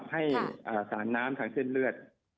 ให้สารน้ำทางเส้นเลือด